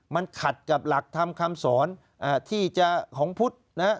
มันขัดกับหลักธรรมคำสอนที่จะของพุทธนะฮะ